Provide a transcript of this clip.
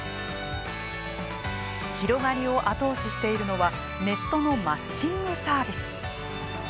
広がりを後押ししているのはネットのマッチングサービス。